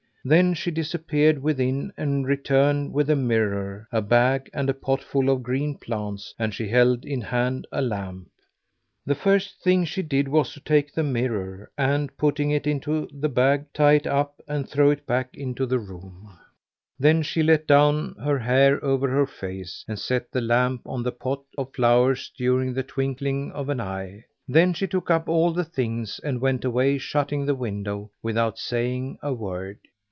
Then she disappeared within and returned with a mirror, a bag; and a pot full of green plants and she held in hand a lamp. The first thing she did was to take the mirror and, putting it into the bag, tie it up and throw it back into the room; then she let down her hair over her face and set the lamp on the pot of flowers during the twinkling of an eye; then she took up all the things and went away shutting the window without saying a word.